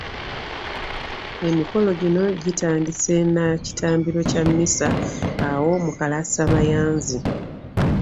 Emikolo gino gitandise na kitambiro kya mmisa awo mu Kalasamayanzi.